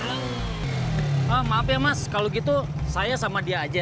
oh maaf ya mas kalau gitu saya sama dia aja